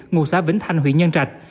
ngụ xã vĩnh thanh huyền nhân trạch